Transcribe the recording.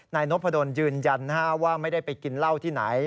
นายนพดลยืนยันว่าไม่ได้ไปกินเหล้าที่ไหน